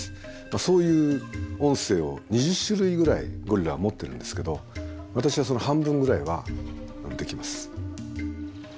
そういう音声を２０種類ぐらいゴリラは持ってるんですけど私はその半分ぐらいはできます。